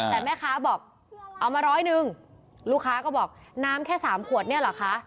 แต่แม่ค้าบอกเอามาร้อยหนึ่งลูกค้าก็บอกน้ำแค่สามขวดเนี่ยเหรอคะ